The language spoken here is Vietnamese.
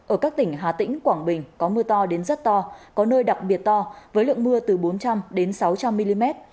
ở các tỉnh hà tĩnh quảng bình có mưa to đến rất to có nơi đặc biệt to với lượng mưa từ bốn trăm linh sáu trăm linh mm